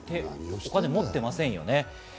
お金を持っていませんよね。